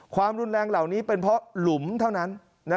ความรุนแรงเหล่านี้เป็นเพราะหลุมเท่านั้น